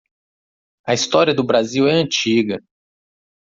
A história do Brasil é antiga.